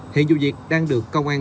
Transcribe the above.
hiện dù diệt đang được công an